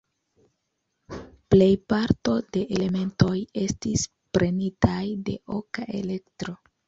Plejparto de elementoj estis prenitaj de Oka Elektro.